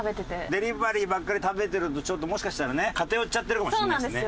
デリバリーばっかり食べてるとちょっともしかしたらね偏っちゃってるかもしれないですね。